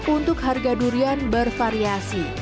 untuk harga durian bervariasi